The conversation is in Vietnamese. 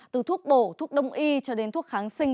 từ thuốc bổ thuốc đông y cho đến thuốc kháng sinh